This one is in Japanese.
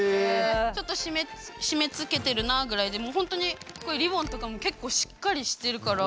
ちょっと締めつけてるなあぐらいでもうほんとにこういうリボンとかも結構しっかりしてるから。